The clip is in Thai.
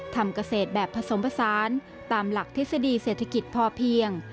ทำเกษตรแบบผสมผสานตามหลักทฤษฎีเศรษฐกิจพอเพียง